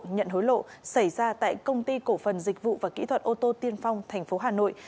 nhận hối lộ xảy ra tại công ty cổ phần dịch vụ và kỹ thuật ô tô tiên phong tp hà nội